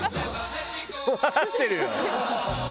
笑ってるよ！